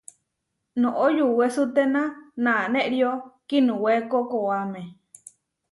Noʼó yuwesuténa naʼnério kiinuwéko koʼáme.